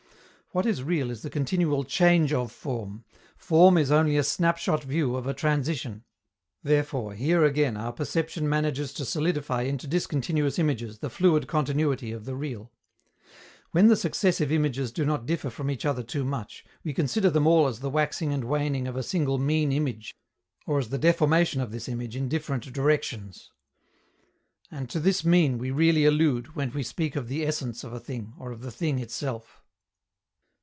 What is real is the continual change of form: form is only a snapshot view of a transition. Therefore, here again, our perception manages to solidify into discontinuous images the fluid continuity of the real. When the successive images do not differ from each other too much, we consider them all as the waxing and waning of a single mean image, or as the deformation of this image in different directions. And to this mean we really allude when we speak of the essence of a thing, or of the thing itself.